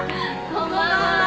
こんばんは。